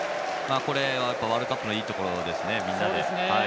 これは、ワールドカップのいいところですね、みんなで。